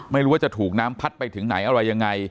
ไม่รู้ว่าจะถูกน้ำพัดไปถึงไหนอะไรยังไง